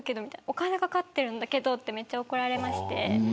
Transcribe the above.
お金かかってるんだけどってめっちゃ怒られまして。